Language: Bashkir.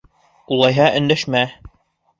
Улайһа өндәшмә.